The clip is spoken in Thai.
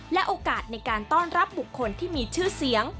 และโอกาสในการต้อนรับบุคคลที่มีชื่อเสียง